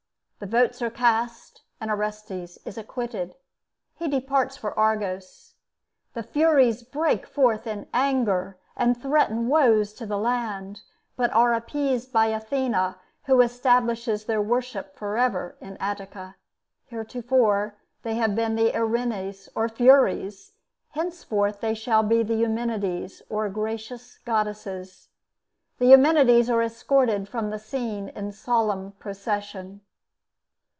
The votes are cast and Orestes is acquitted. He departs for Argos. The Furies break forth in anger and threaten woes to the land, but are appeased by Athena, who establishes their worship forever in Attica. Heretofore they have been the Erinnyes, or Furies; henceforth they shall be the Eumenides, or Gracious Goddesses. The Eumenides are escorted from the scene in solemn procession.